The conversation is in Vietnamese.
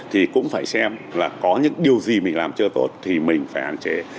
thì cũng phải xem là có những điều gì mình làm chưa tốt thì mình phải hạn chế